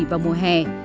vào mùa hè